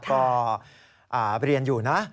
ก็เรียนอยู่นะ